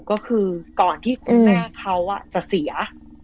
ก็คือก่อนที่คุณแม่เขาจะเสีย